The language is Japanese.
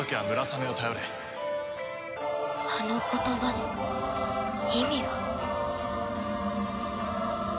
あの言葉の意味は？